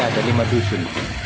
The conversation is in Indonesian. ada lima dusun